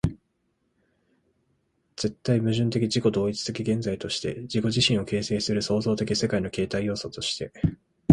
絶対矛盾的自己同一的現在として、自己自身を形成する創造的世界の形成要素として、